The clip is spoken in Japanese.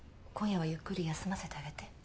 今夜はゆっくり休ませてあげて。